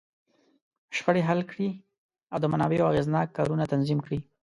شخړې حل کړي، او د منابعو اغېزناک کارونه تنظیم کړي.